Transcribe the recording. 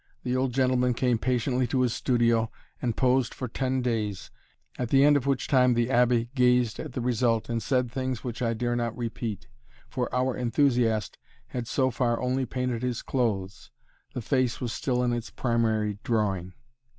The old gentleman came patiently to his studio and posed for ten days, at the end of which time the abbé gazed at the result and said things which I dare not repeat for our enthusiast had so far only painted his clothes; the face was still in its primary drawing.